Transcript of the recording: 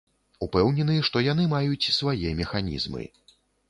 Упэўнены, што яны маюць свае механізмы.